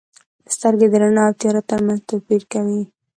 • سترګې د رڼا او تیاره ترمنځ توپیر کوي.